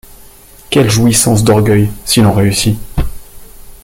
Quelle jouissance d’orgueil, si l’on réussit!